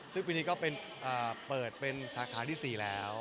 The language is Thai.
ซึ่งปีนี้ก็เปิดเป็นสาขาที่๔แล้ว